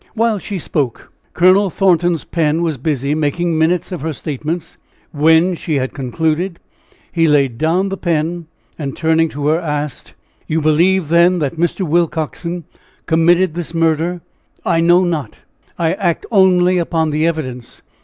While she spoke, Colonel Thornton's pen was busy making minutes of her statements; when she had concluded, he laid down the pen, and turning to her, asked: "You believe, then, that Mr. Willcoxen committed this murder?" "I know not I act only upon the evidence."